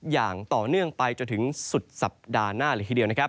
อย่างต่อเนื่องไปจนถึงสุดสัปดาห์หน้าเลยทีเดียวนะครับ